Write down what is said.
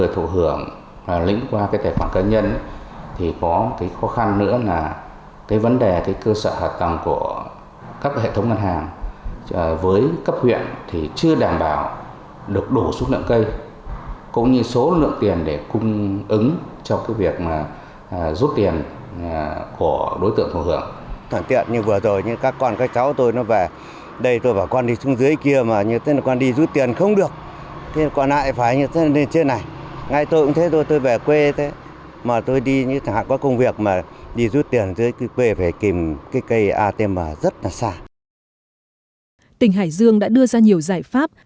tình hải dương đã đưa ra nhiều giải pháp